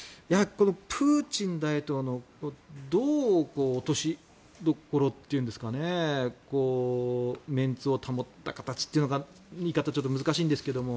プーチン大統領のどう落としどころというかメンツを保った形というか言い方が難しいんですが。